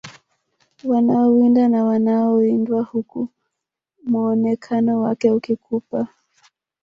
Wanaowinda na wanaowindwa huku muonekano wake ukikupa